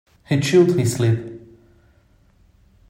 He chewed his lip.